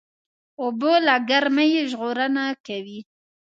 اوبه له ګرمۍ ژغورنه کوي.